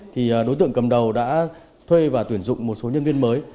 thì đối tượng cầm đầu đã thuê và tuyển dụng một số nhân viên mới